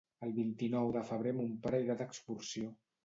El vint-i-nou de febrer mon pare irà d'excursió.